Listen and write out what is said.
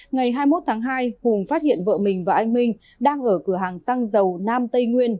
ngày hai mươi một tháng hai hùng phát hiện vợ mình và anh minh đang ở cửa hàng xăng dầu nam tây nguyên